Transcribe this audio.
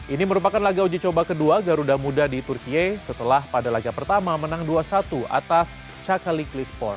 ini merupakan laga uji coba kedua garuda muda di turkiye setelah pada laga pertama menang dua satu atas cakaliklispol